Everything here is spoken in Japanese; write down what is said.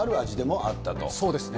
そうですね。